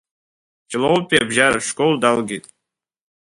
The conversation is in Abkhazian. Ҷлоутәи абжьаратә школ далгеит.